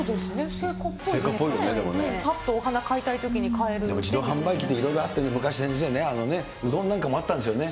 ぱっとお花買いたいときに買でも自動販売機っていろいろあってね、昔なんかも、先生ね、うどんなんかもあったんですよね。